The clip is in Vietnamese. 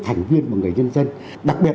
thành viên của người dân dân đặc biệt